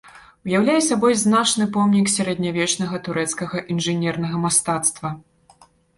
Уяўляе сабой значны помнік сярэднявечнага турэцкага інжынернага мастацтва.